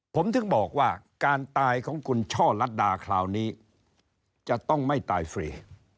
ผมถึงบอกว่าการตายของคุณช่อลัดดาคราวนี้จะต้องไม่ตายฟรี